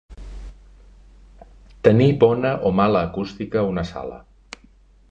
Tenir bona o mala acústica una sala.